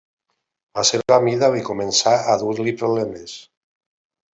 La seva mida li començà a dur-li problemes.